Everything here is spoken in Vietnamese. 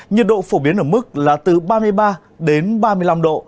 nhiệt độ phổ biến ở mức là từ ba mươi ba đến ba mươi năm độ